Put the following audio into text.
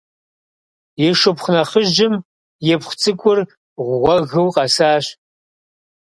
И шыпхъу нэхъыжьым ипхъу цӏыкӏур гъуэгыу къэсащ.